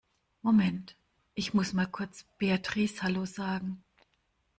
Moment, ich muss mal kurz Beatrix Hallo sagen.